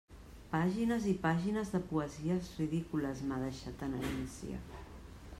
Pàgines i pàgines de poesies ridícules m'ha deixat en herència!